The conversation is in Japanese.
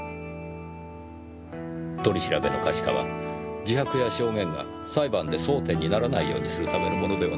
取り調べの可視化は自白や証言が裁判で争点にならないようにするためのものではないでしょうか。